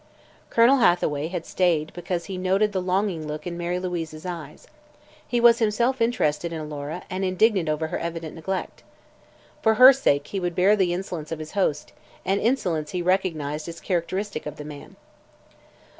Colonel Hathaway had stayed because he noted the leading look in Mary Louise's eyes. He was himself interested in Alora and indignant over her evident neglect. For her sake he would bear the insolence of his host, an insolence he recognized as characteristic of the man.